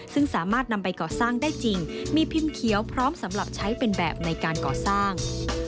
ซึ่งสามารถนำไปก่อสร้างได้จริงมีพิมพ์เขียวพร้อมสำหรับใช้เป็นแบบในการก่อสร้าง